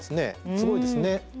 すごいですね。